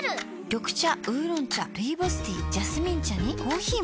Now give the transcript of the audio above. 緑茶烏龍茶ルイボスティージャスミン茶にコーヒーも。